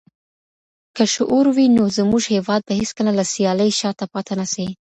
که شعور وي، نو زموږ هېواد به هيڅکله له سيالۍ شاته پاته نسي.